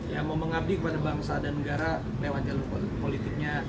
ya mau mengabdi kepada bangsa dan negara lewat jalur politiknya